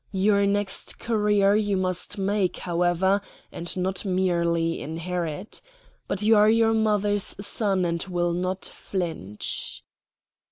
Your next career you must make, however, and not merely inherit. But you are your mother's son, and will not flinch."